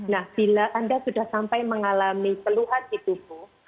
nah bila anda sudah sampai mengalami keluhan di tubuh